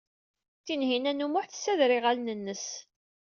Tinhinan u Muḥ tessader iɣallen-nnes.